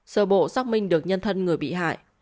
sơ bộ xác minh được nhân thân người bị hại